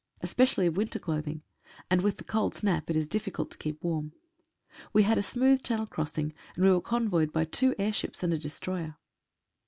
especially of winter clothing, and with the cold snap it is difficult to keep warm. We had a smooth channel crossing, and we were convoyed by two airships and a destroyer.